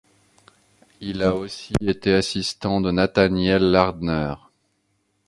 Il a aussi été assistant de Nathaniel Lardner.